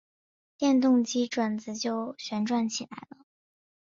电动机转子就旋转起来了。